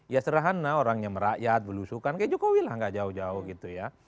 ya sederhana orangnya merakyat belusukan kayak jokowi lah gak jauh jauh gitu ya